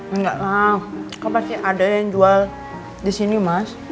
enggak lah kan pasti ada yang jual disini mas